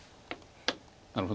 なるほど。